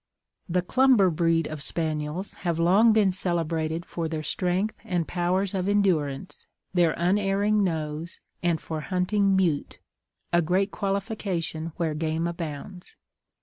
The Clumber breed of spaniels have long been celebrated for their strength and powers of endurance, their unerring nose, and for hunting mute a great qualification where game abounds.